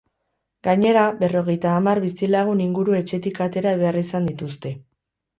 Gainera, berrogeita hamar bizilagun inguru etxetik atera behar izan dituzte.